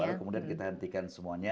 lalu kemudian kita hentikan semuanya